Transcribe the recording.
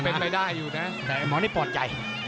เป็นไปได้อยู่นะแต่ไอ้หมอนี่ปลอดใจ